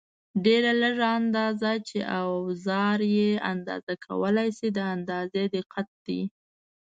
ډېره لږه اندازه چې اوزار یې اندازه کولای شي د اندازې دقت دی.